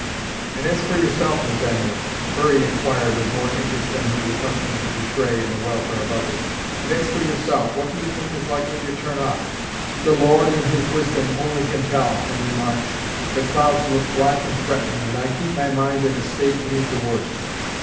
"And as for yourself, Nathaniel," Hurry enquired with more interest than he was accustomed to betray in the welfare of others "And, as for yourself, what do you think is likely to turn up?" "The Lord, in his wisdom, only can tell, Henry March! The clouds look black and threatening, and I keep my mind in a state to meet the worst.